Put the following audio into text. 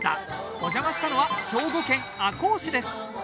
お邪魔したのは兵庫県赤穂市です。